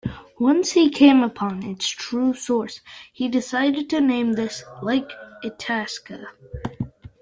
Once he came upon its true source, he decided to name this 'Lake Itasca.